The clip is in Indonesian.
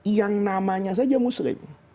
yang namanya saja muslim